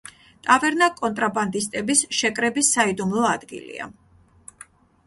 ტავერნა კონტრაბანდისტების შეკრების საიდუმლო ადგილია.